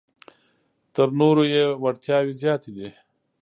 تر نورو یې وړتیاوې زیاتې دي.